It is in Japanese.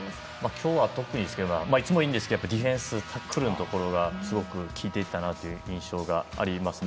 今日は特にですけどいつもいいんですけどディフェンスタックルのところがすごく効いていたなという印象がありますね。